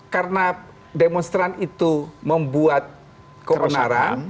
karena demonstran itu membuat keonaran